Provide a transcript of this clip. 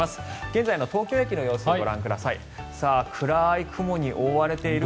現在の東京駅の様子ご覧ください。